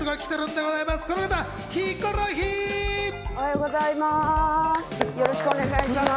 おはようございます。